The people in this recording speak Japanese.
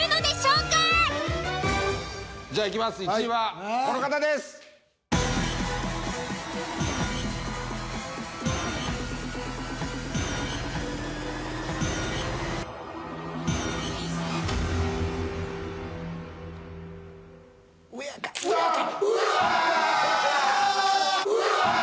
うわ！